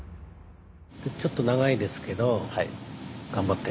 ちょっと長いですけど頑張って。